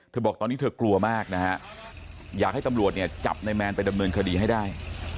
บอกตอนนี้เธอกลัวมากนะฮะอยากให้ตำรวจเนี่ยจับนายแมนไปดำเนินคดีให้ได้